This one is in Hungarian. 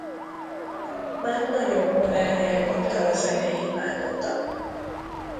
Már nagyon korán elkapta a zene imádata.